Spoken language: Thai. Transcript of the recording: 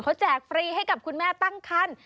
เขาแจกฟรีให้กับคุณแม่ตั้งคัน